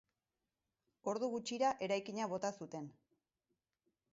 Ordu gutxira, eraikina bota zuten.